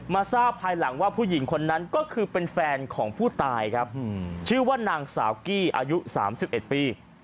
ทราบภายหลังว่าผู้หญิงคนนั้นก็คือเป็นแฟนของผู้ตายครับชื่อว่านางสาวกี้อายุ๓๑ปี